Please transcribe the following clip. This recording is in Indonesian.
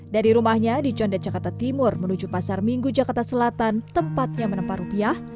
dari rumahnya di condet jakarta timur menuju pasar minggu jakarta selatan tempatnya menempa rupiah